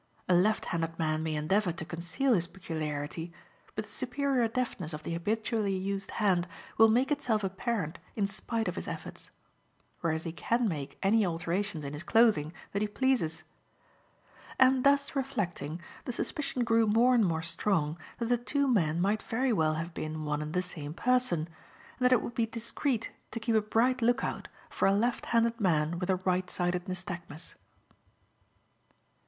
A left handed man may endeavour to conceal his peculiarity, but the superior deftness of the habitually used hand will make itself apparent in spite of his efforts; whereas he can make any alterations in his clothing that he pleases. And thus reflecting, the suspicion grew more and more strong that the two men might very well have been one and the same person, and that it would be discreet to keep a bright look out for a left handed man with a right sided nystagmus.